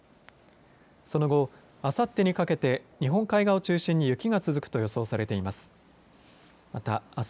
その後、あさってにかけて日本海側を中心に雪が続くと予想されています。